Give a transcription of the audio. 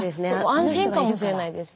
安心かもしれないです。